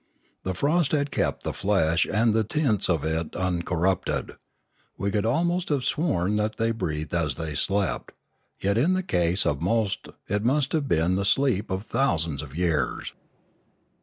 The frost had kept the flesh and the tints of it uncorrupted. We could almost have sworn that they breathed as they slept, yet in the case of most it must have been the sleep of thousands of years.